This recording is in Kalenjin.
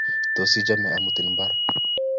Tos, ichame amutin mbar